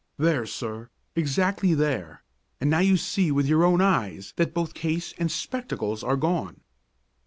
"There, sir, exactly there and now you see with your own eyes that both case and spectacles are gone!"